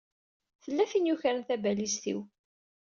Tella tin yukren tabalizt-iw.